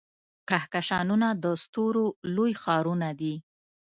کهکشانونه د ستورو لوی ښارونه دي.